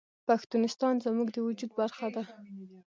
پښتونستان زموږ د وجود برخه ده